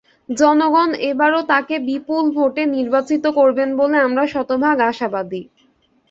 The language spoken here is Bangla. জনগণ এবারও তাঁকে বিপুল ভোটে নির্বাচিত করবেন বলে আমরা শতভাগ আশাবাদী।